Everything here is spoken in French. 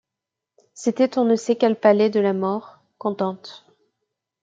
C’était on ne sait quel palais de la Mort, contente.